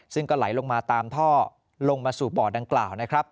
ซึ่งก็ไหลลงมาตามท่อลงมาสู่บ่อดังกล่าวนะครับ